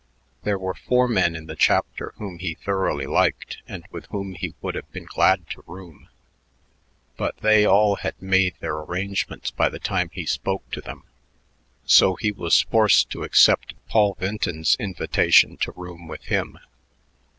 There were four men in the chapter whom he thoroughly liked and with whom he would have been glad to room, but they all had made their arrangements by the time he spoke to them; so he was forced to accept Paul Vinton's invitation to room with him.